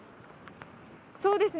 そうですね。